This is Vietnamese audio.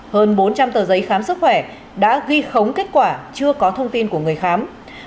hơn bốn trăm linh tờ giấy khám sức khỏe đã ghi khống kết quả chưa có thông tin của người khám